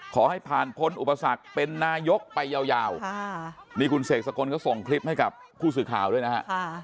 ขอให้ผ่านพ้นอุปสรรคเป็นนายกไปยาวนี่คุณเสกสกลก็ส่งคลิปให้กับผู้สื่อข่าวด้วยนะฮะ